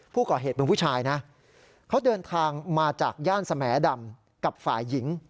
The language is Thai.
ผู้ก่อเหตุเป็นผู้ชายนะเขาเดินทางมาจากย่านสแหมดำกับฝ่ายหญิง